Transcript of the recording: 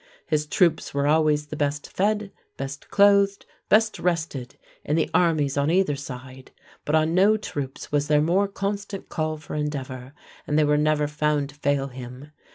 His troops were always the best fed, best clothed, best rested in the armies en either side, but on no troops was there more constant call for endeavor, and they were never found to fail him.